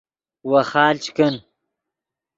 ویخال چے کن